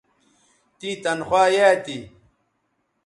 تیں تنخوا یایئ تھی